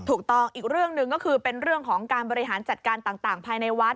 ถูกต้องอีกเรื่องหนึ่งก็คือเป็นเรื่องของการบริหารจัดการต่างภายในวัด